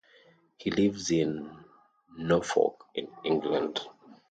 He lives in Norfolk in England.